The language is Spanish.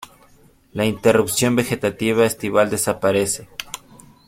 La interrupción vegetativa estival desaparece.